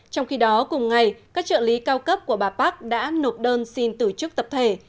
trong khi đó cùng ngày các trợ lý cao cấp của bà park đã nộp đơn xin từ chức tập thể